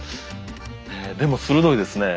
でも鋭いですね。